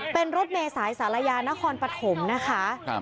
เป็นรถเมษายสารยานครปฐมนะคะ